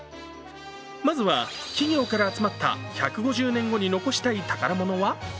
まずは、企業から集まった１５０年後に残したい宝物は？